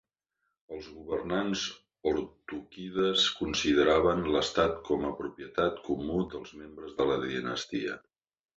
Els governants ortúkides consideraven l'estat com a propietat comú dels membres de la dinastia.